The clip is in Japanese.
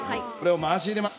回し入れます。